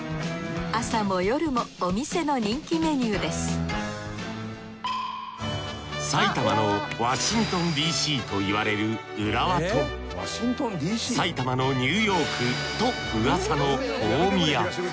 朝も夜もお店の人気メニューですさいたまのワシントンＤ．Ｃ．と言われる浦和とさいたまのニューヨークと噂の大宮。